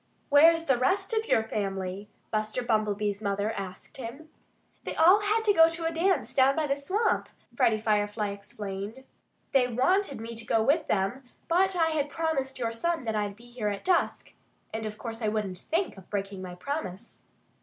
"Where's the rest of your family?" Buster Bumblebee's mother asked him. "They all had to go to a dance down by the swamp," Freddie Firefly explained. "They wanted me to go with them; but I had promised your son that I'd be here at dusk. And of course I wouldn't think of breaking my promise."